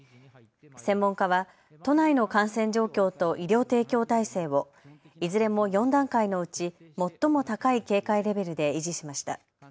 専門家は都内の感染状況と医療提供体制をいずれも４段階のうち最も高い警戒レベルで維持しました。